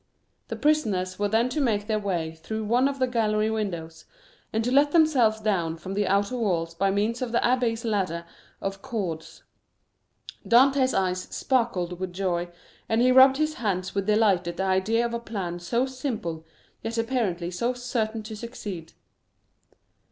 The prisoners were then to make their way through one of the gallery windows, and to let themselves down from the outer walls by means of the abbé's ladder of cords. Dantès' eyes sparkled with joy, and he rubbed his hands with delight at the idea of a plan so simple, yet apparently so certain to succeed.